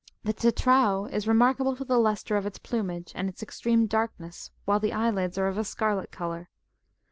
The tetrao^' is remarkable for the lustre of its plumage, and its extreme darkness, while the eyelids are of a scarlet colour.